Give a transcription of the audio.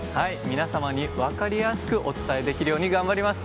皆様に分かりやすくお伝えできるように頑張ります。